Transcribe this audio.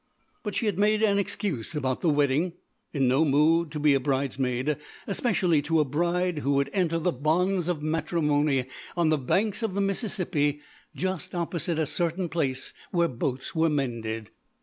But she had made an excuse about the wedding, in no mood to be a bridesmaid, especially to a bride who would enter the bonds of matrimony on the banks of the Mississippi, just opposite a certain place where boats were mended.